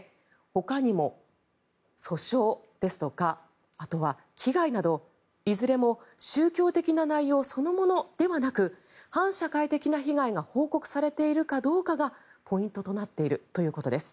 ほかにも訴訟ですとかあとは危害などいずれも宗教的な内容そのものではなく反社会的な被害が報告されているかどうかがポイントとなっているということです。